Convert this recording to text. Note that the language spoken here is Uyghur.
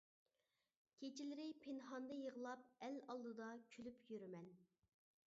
كېچىلىرى پىنھاندا يىغلاپ، ئەل ئالدىدا كۈلۈپ يۈرىمەن.